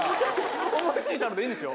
思い付いたのでいいんでしょ？